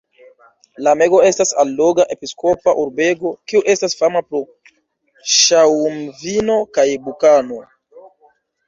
Lamego estas alloga episkopa urbego, kiu estas fama pro ŝaŭmvino kaj bukano.